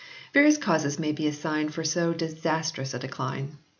Various causes may be assigned for so disastrous a decline.